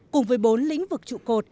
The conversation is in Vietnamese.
cùng với bốn lĩnh vực trụ cột